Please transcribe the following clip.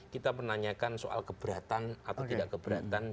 kita menanyakan soal keberatan atau tidak keberatan